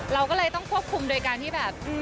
เราก็เลยต้องควบคุมโดยการที่แบบ